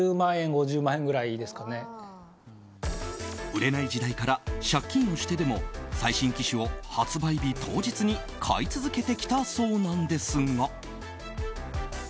売れない時代から借金をしてでも最新機種を発売日当日に買い続けてきたそうなんですが。